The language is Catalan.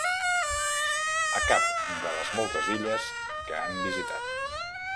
A cap de les moltes illes que han visitat.